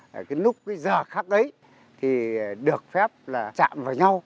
cái lúc cái giờ khác ấy thì được phép là chạm vào nhau